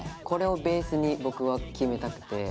これをベースに僕は決めたくて。